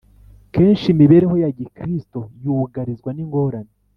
kenshi imibereho ya gikristo yugarizwa n’ingorane,